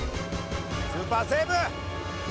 スーパーセーブ！